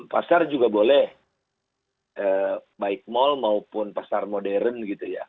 pasar juga boleh baik mal maupun pasar modern gitu ya